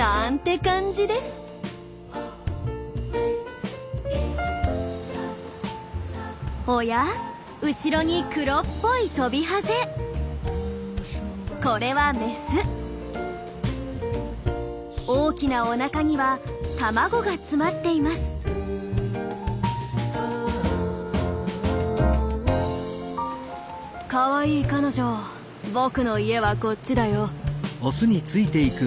「かわいい彼女僕の家はこっちだよ」。